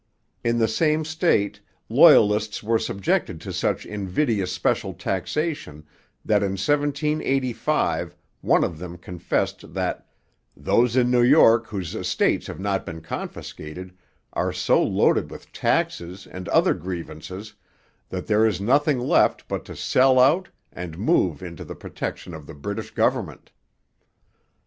In the same state, Loyalists were subjected to such invidious special taxation that in 1785 one of them confessed that 'those in New York whose estates have not been confiscated are so loaded with taxes and other grievances that there is nothing left but to sell out and move into the protection of the British government.'